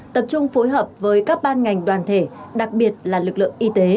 tập trung phối hợp với các ban ngành đoàn thể đặc biệt là lực lượng y tế